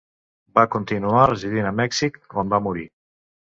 Va continuar residint a Mèxic, on va morir.